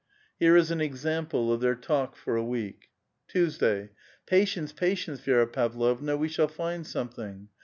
Here is an example of their talk for a week. Tuesday. — "Patience, patience, Vi^ra Pavlovna, we shall find something."